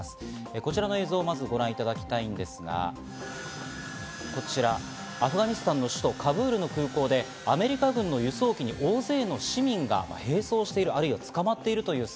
こちらの映像をまずご覧いただきたいんですが、こちらアフガニスタンの首都カブールの空港でアメリカ軍の輸送機に大勢の市民が並走している、あるいはつかまっているという姿。